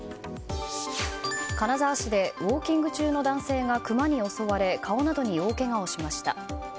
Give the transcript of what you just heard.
金沢市でウォーキング中の男性がクマに襲われ顔などに大けがをしました。